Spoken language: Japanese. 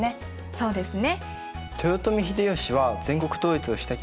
そうですね。